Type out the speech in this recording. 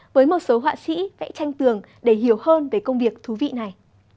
với một số họa sĩ vẽ tranh tường để hiểu hơn về công việc thú vị này